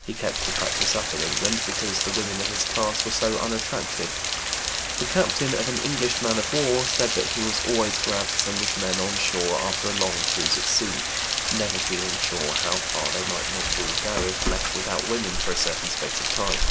He kept the practice up in England 'because the women of his class were so unattractive.' The captain of an English man of war said that he was always glad to send his men on shore after a long cruise at sea, never feeling sure how far they might not all go if left without women for a certain space of time."